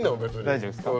大丈夫すか？